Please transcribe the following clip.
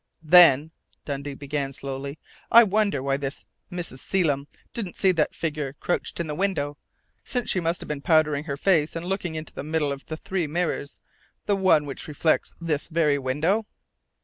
"Then," Dundee began slowly, "I wonder why Mrs. Selim didn't see that figure crouched in the window, since she must have been powdering her face and looking into the middle of the three mirrors the one which reflects this very window?"